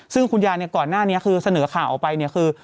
ซึ่งคุณยายก่อนหน้านี้คือเสนอข่าวออกไปคือ